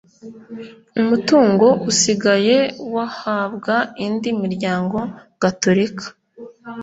Umutungo usigaye wahabwa indi miryango gatulika